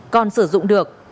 còn sử dụng được